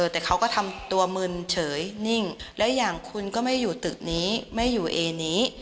แต่เขาก็ทำตัวมึนเฉยนิ่งและอย่างคุณก็ไม่อยู่ตึกนี้ไม่อยู่เอนี้